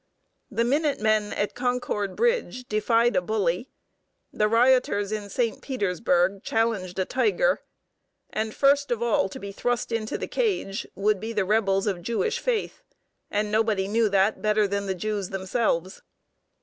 The Minutemen at Concord Bridge defied a bully; the rioters in St. Petersburg challenged a tiger. And first of all to be thrust into the cage would be the rebels of Jewish faith, and nobody knew that better than the Jews themselves.